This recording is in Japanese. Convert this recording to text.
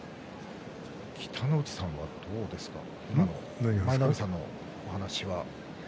北の富士さんはどうですか舞の海さんのお話は。